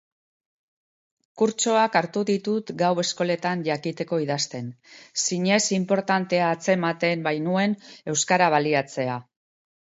Kurtsoak hartu ditut gau-eskoletan jakiteko idazten, zinez inportantea atzemaiten bainuen euskara baliatzea.